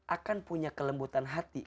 akan punya kelembutan hati